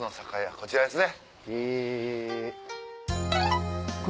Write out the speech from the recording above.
こちらですね。